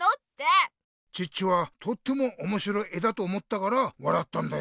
チッチはとってもおもしろい絵だと思ったからわらったんだよ。